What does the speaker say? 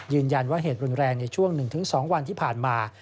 ยืนยันว่าเหตุรุนแรงในช่วง๑๒วันที่ผ่านมา